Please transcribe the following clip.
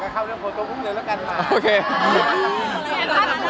ถ้าถูกกันเข้าเรื่องผลก็อุ้มเหลือแล้วกันล่ะ